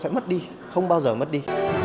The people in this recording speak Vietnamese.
sẽ mất đi không bao giờ mất đi